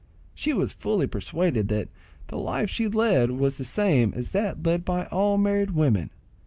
She was fully persuaded that the life she led was the same as that led by all married women.